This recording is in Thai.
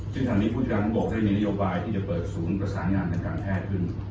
ซึ่งทางนี้ผู้จัดการของบกได้มีนโยบายที่จะเปิดศูนย์ประสานงานทางการแพทย์ขึ้น